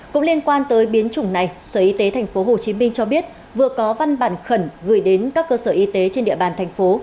cũng liên quan tới biến chủng này sở y tế tp hcm cho biết vừa có văn bản khẩn gửi đến các cơ sở y tế trên địa bàn thành phố